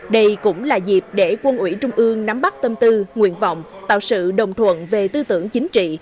đây cũng là dịp để quân ủy trung ương nắm bắt tâm tư nguyện vọng tạo sự đồng thuận về tư tưởng chính trị